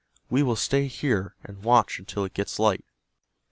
"We will stay here, and watch until it gets light."